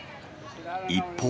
一方。